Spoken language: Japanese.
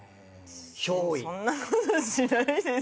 そんなことしないです。